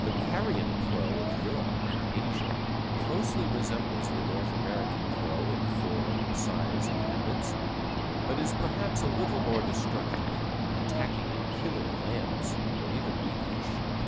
The Carrion Crow of Europe and Asia closely resembles the North American Crow in form, size and habits, but is perhaps a little more destructive, attacking and killing lambs, or even weakly sheep.